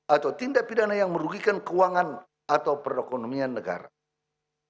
atau tindak pidana yang merugikan keuangan atau perekonomian negara